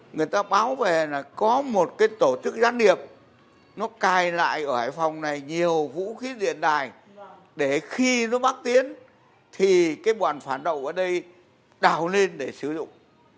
người ta báo về là có một cái tổ chức gián điệp nó cài lại ở hải phòng này nhiều vũ khí điện đài để khi nó bắt tiến thì cái bọn phản độc ở đây đào lên để sử dụng